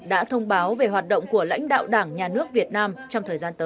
đã thông báo về hoạt động của lãnh đạo đảng nhà nước việt nam trong thời gian tới